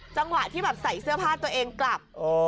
จังหวะที่แบบใส่เสื้อผ้าตัวเองกลับ